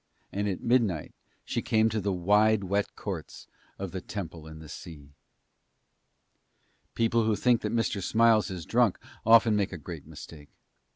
And at midnight she came to the wide wet courts of the Temple in the Sea. People who think that Mr. Smiles is drunk often make a great mistake.